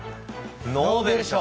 ノーベル賞！